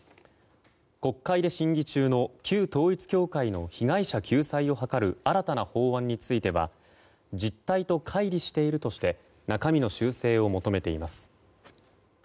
国会で審議中の旧統一教会の被害者救済を図る新たな法案については実態と乖離しているとして中身の修正を求めています。